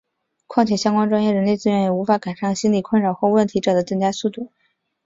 况且相关专业人力资源也无法赶上心理困扰或问题者的增加速度。